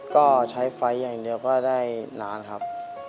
ก็ใช้ไฟอย่างเดียวก็ได้ล้านครับ